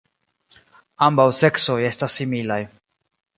Ambaŭ seksoj estas similaj.